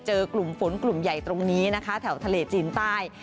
กลุ่มฝนกลุ่มใหญ่ตรงนี้นะคะแถวทะเลจีนใต้